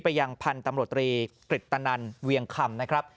ยังพันธุ์ตำรวจตรีกริตนันเวียงคำนะครับ